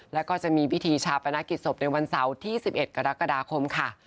แล้วก็จะมีพิธีชาปนกิจศพในวันเสาร์ที่๑๑กรกฎาคมค่ะ